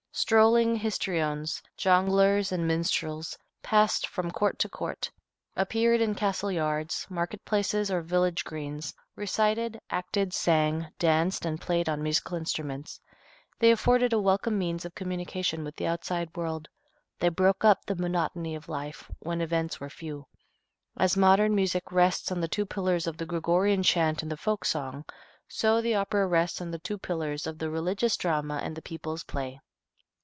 Strolling histriones, jongleurs and minstrels passed from court to court, appeared in castle yards, market places or village greens, recited, acted, sang, danced and played on musical instruments. They afforded a welcome means of communication with the outside world; they broke up the monotony of life when events were few. As modern music rests on the two pillars of the Gregorian chant and the folk song, so the opera rests on the two pillars of the religious drama and the people's play.